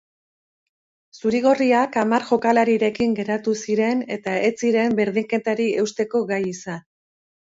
Zuri-gorriak hamar jokalarirekin geratu ziren, eta ez ziren berdinketari eusteko gai izan.